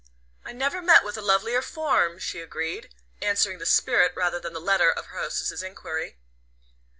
"I never met with a lovelier form," she agreed, answering the spirit rather than the letter of her hostess's enquiry.